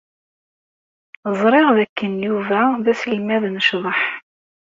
Ẓriɣ dakken Yuba d aselmad n ccḍeḥ.